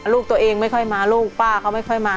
ลูกตัวเองไม่ค่อยมาลูกป้าเขาไม่ค่อยมา